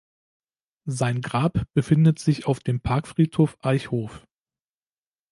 Sein Grab befindet sich auf dem Parkfriedhof Eichhof.